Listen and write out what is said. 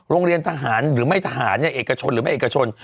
โรงเรียนทหารหรือไม่ทหารเนี่ยเอกชนหรือไม่เอกชน